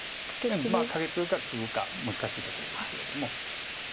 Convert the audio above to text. まあカケツグかツグか難しいところですけれども。